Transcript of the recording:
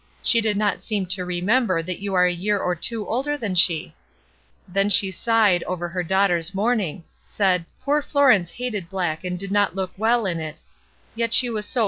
She did not seem to remember that you are a year or two older than she ! Then she sighed over her daughter's mourning ; said ' Poor Florence hated black and did not look well in it, yet she was so